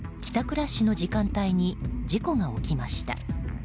ラッシュの時間帯に事故が起きました。